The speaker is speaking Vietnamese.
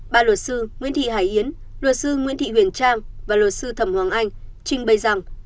ba luật sư nguyễn thị hải yến luật sư nguyễn thị huyền trang và luật sư thầm hoàng anh trình bày rằng